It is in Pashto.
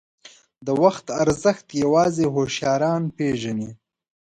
• د وخت ارزښت یوازې هوښیاران پېژني.